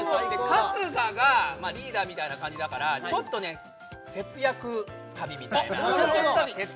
春日がまあリーダーみたいな感じだからちょっとね節約旅みたいなあっ